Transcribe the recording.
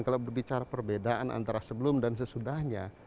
kalau berbicara perbedaan antara sebelum dan sesudahnya